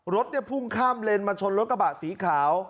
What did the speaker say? รถพุ่งข้ามเลนมาชนรถกระบะสีขาว